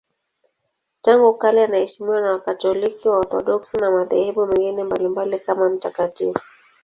Tangu kale anaheshimiwa na Wakatoliki, Waorthodoksi na madhehebu mengine mbalimbali kama mtakatifu.